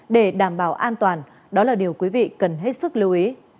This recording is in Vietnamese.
để đảm bảo an toàn đó là điều quý vị cần hết sức lưu ý